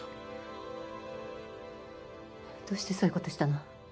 どうしてそういうことしたの？